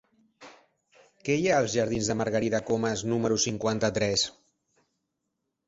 Què hi ha als jardins de Margarida Comas número cinquanta-tres?